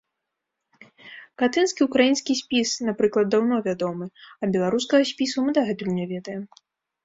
Катынскі ўкраінскі спіс, напрыклад, даўно вядомы, а беларускага спісу мы дагэтуль не ведаем.